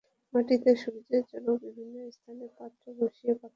মাটিতে সুবিধাজনক বিভিন্ন স্থানে পাত্র বসিয়ে পাখিদের খাবারের বন্দোবস্ত করা হয়েছে।